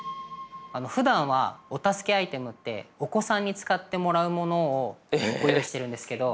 ふだんはお助けアイテムってお子さんに使ってもらうものをご用意してるんですけど。